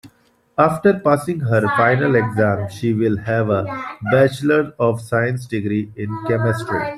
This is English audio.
After passing her final exam she will have a bachelor of science degree in chemistry.